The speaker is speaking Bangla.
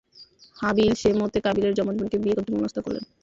হাবীল সে মতে কাবীলের যমজ বোনকে বিয়ে করতে মনস্থ করেন।